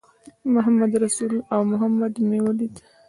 محمدرسول او محمد مې ولیدل.